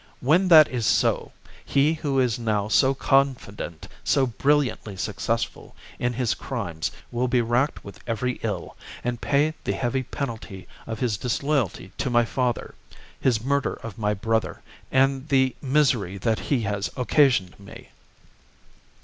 When that is so, he who is now so confident, so brilliantly successful, in his crimes, will be racked with every ill, and pay the heavy penalty of his disloyalty to my father, his murder of my brother, and the misery that he has occasioned me.